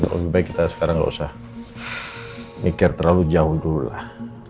lebih baik kita sekarang nggak usah mikir terlalu jauh dulu lah